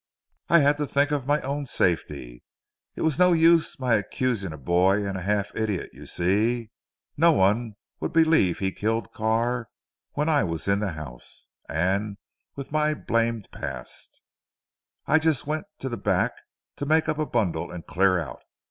"I had to think of my own safety. It was no use my accusing a boy and a half idiot you see. No one would believe he'd killed Carr when I was in the house and with my blamed past. I just went to the back to make up a bundle and clear out.